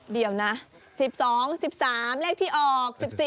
เดี๋ยวนะ๑๒๑๓เลขที่ออก๑๔